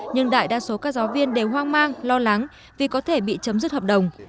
nhưng đại đa số các giáo viên đều hoang mang lo lắng vì có thể bị chấm dứt hợp đồng